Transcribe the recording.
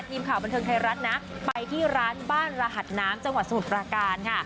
ทีมข่าวบันเทิงไทยรัฐนะไปที่ร้านบ้านรหัสน้ำจังหวัดสมุทรประการค่ะ